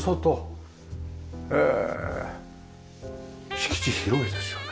敷地広いですよね。